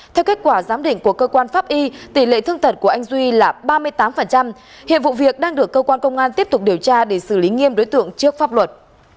theo kết quả giám định của cơ quan pháp y tỷ lệ thương tật của anh duy là ba mươi tám hiện vụ việc đang được cơ quan công an tiếp tục điều tra để xử lý nghiêm đối tượng trước pháp luật